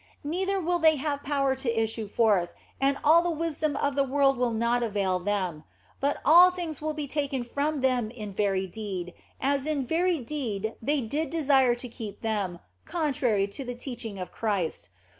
Neither will they have power to issue forth, and all the wisdom of the world will not avail them ; but all things will be taken from them in very deed, as in very deed they did desire to keep them, contrary to the teaching of Christ.